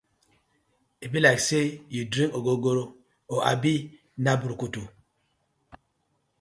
E bi like say yu dring ogogoro or abi na brukutu.